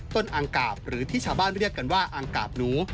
อังกาบหรือที่ชาวบ้านเรียกกันว่าอังกาบหนู